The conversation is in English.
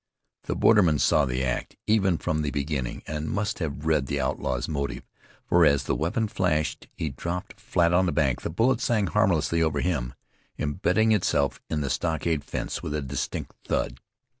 The borderman saw the act, even from the beginning, and must have read the outlaw's motive, for as the weapon flashed he dropped flat on the bank. The bullet sang harmlessly over him, imbedding itself in the stockade fence with a distinct thud.